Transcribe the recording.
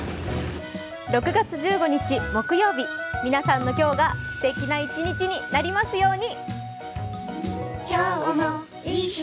６月１５日木曜日、皆さんの今日がすてきな一日になりますように。